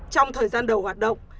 trong thời gian đầu hoạt động